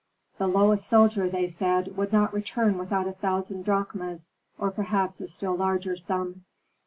The lowest soldier, they said, would not return without a thousand drachmas, or perhaps a still larger sum.